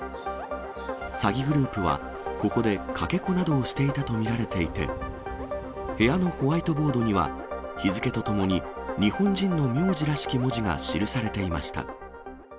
詐欺グループは、ここでかけ子などをしていたと見られていて、部屋のホワイトボードには、日付とともに、日本人の名字らしき文字が記されていました。